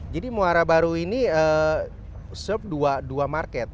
jadi muara baru ini serve dua market